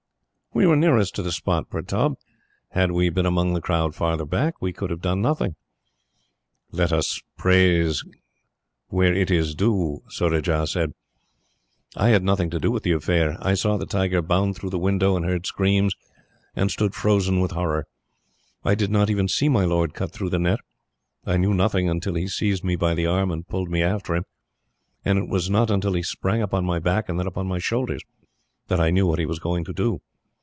"We were nearest to the spot, Pertaub. Had we been among the crowd farther back, we could have done nothing." "Let praise be given where it is due," Surajah said. "I had nothing to do with the affair. I saw the tiger bound through the window, and heard screams, and stood frozen with horror. I did not even see my lord cut through the net. I knew nothing, until he seized me by the arm and pulled me after him; and it was not until he sprang upon my back, and then upon my shoulders, that I knew what he was going to do.